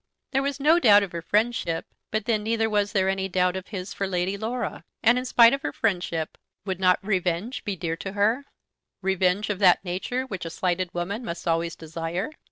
There was no doubt of her friendship; but then neither was there any doubt of his for Lady Laura. And in spite of her friendship, would not revenge be dear to her, revenge of that nature which a slighted woman must always desire?